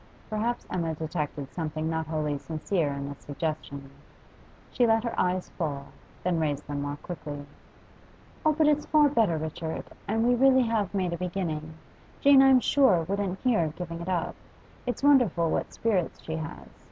Perhaps Emma detected something not wholly sincere in this suggestion. She let her eyes fall, then raised them more quickly. 'Oh, but it's far better, Richard; and we really have made a beginning. Jane, I'm sure, wouldn't hear of giving it up. It's wonderful what spirits she has.